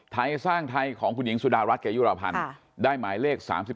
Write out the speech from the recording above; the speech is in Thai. ไทยสร้างไทยของคุณหญิงสุดารัฐเกยุรพันธ์ได้หมายเลข๓๒